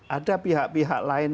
ada pihak pihak lain